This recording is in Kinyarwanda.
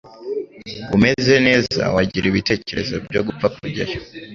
umeze neza wagira ibitekerezo byo gupfa kujyayo